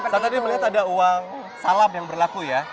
saya tadi melihat ada uang salam yang berlaku ya